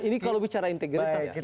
ini kalau bicara integritas